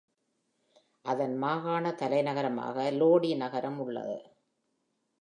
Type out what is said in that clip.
அதன் மாகாண தலைநகரமாக லோடி நகரம் உள்ளது.